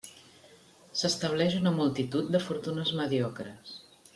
S'estableix una multitud de fortunes mediocres.